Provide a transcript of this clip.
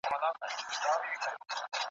د باوړۍ اوبه مي هر ګړی وچېږي !.